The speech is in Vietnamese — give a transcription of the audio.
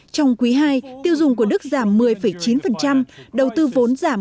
trong quý ii tiêu dùng của đức giảm một mươi chín đầu tư vốn giảm một mươi chín sáu